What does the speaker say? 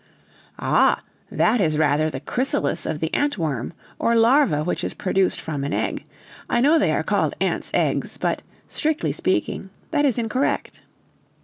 "Ah! that is rather the chrysalis of the antworm, or larva which is produced from an egg. I know they are called ants' eggs, but, strictly speaking, that is incorrect."